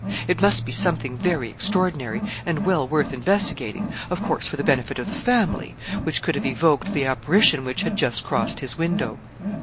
It must be something very extraordinary, and well worth investigating of course, for the benefit of the family which could have evoked the apparition which had just crossed his window.